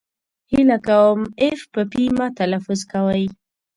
هیله کوم اف په پي مه تلفظ کوی!